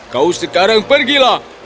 kau sekarang pergilah